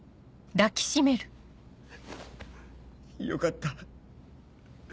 よかった。